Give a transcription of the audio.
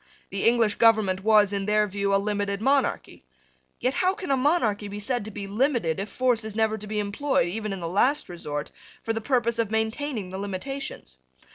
The English government was, in their view, a limited monarchy. Yet how can a monarchy be said to be limited if force is never to be employed, even in the last resort, for the purpose of maintaining the limitations?